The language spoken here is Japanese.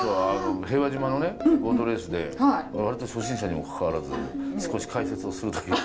平和島のねボートレースで割と初心者にもかかわらず少し解説をするという。